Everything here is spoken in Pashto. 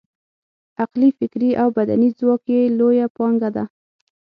عقلي، فکري او بدني ځواک یې لویه پانګه ده.